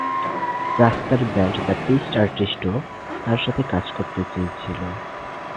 রাস্তার band the peace artist ও তার সাথে কাজ করতে চেয়েছিল।